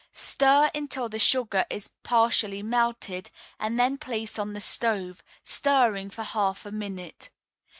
Stir until the sugar is partially melted, and then place on the stove, stirring for half a minute.